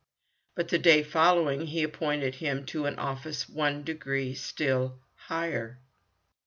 But the day following he appointed him to an office one degree still higher.